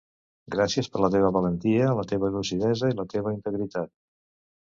Gràcies per la teva valentia, la teva lucidesa i la teva integritat.